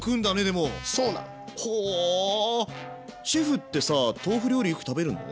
シェフってさ豆腐料理よく食べるの？